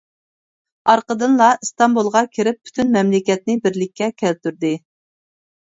ئارقىدىنلا ئىستانبۇلغا كىرىپ، پۈتۈن مەملىكەتنى بىرلىككە كەلتۈردى.